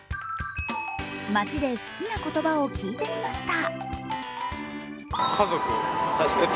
街で好きな言葉を聞いてみました。